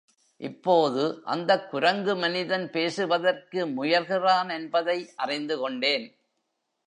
இப்போது அந்தக் குரங்கு மனிதன் பேசுவதற்கு முயல்கிறாதென்பதை அறிந்து கொண்டேன்.